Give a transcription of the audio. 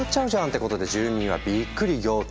ってことで住民はびっくり仰天。